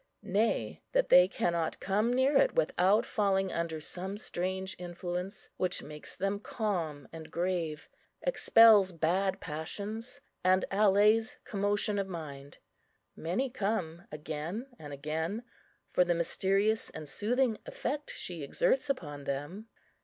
Nay, that they cannot come near it without falling under some strange influence, which makes them calm and grave, expels bad passions, and allays commotion of mind. Many come again and again, for the mysterious and soothing effect she exerts upon them.